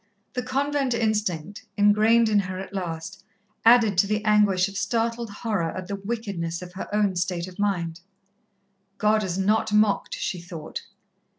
The convent instinct, engrained in her at last, added to the anguish of startled horror at the wickedness of her own state of mind. God is not mocked, she thought.